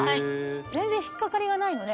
全然引っ掛かりがないのね。